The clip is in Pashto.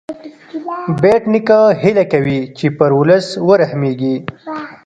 بېټ نیکه هیله کوي چې پر ولس ورحمېږې.